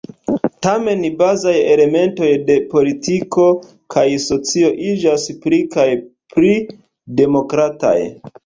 Tamen bazaj elementoj de politiko kaj socio iĝas pli kaj pli demokrataj.